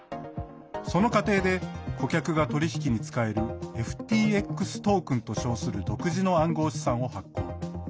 その過程で、顧客が取引に使えるＦＴＸトークンと称する独自の暗号資産を発行。